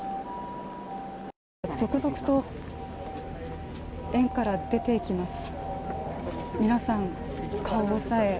続々と園から出ていきます。